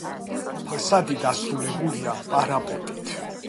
ფასადი დასრულებულია პარაპეტით.